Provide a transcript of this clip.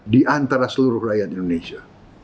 di antara seluruh rakyat indonesia